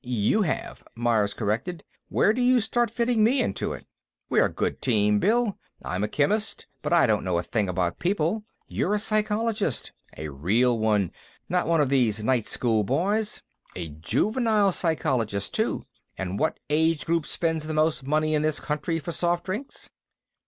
"You have," Myers corrected. "Where do you start fitting me into it?" "We're a good team, Bill. I'm a chemist, but I don't know a thing about people. You're a psychologist. A real one; not one of these night school boys. A juvenile psychologist, too. And what age group spends the most money in this country for soft drinks?"